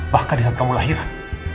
bahkan di saat kamu lahiran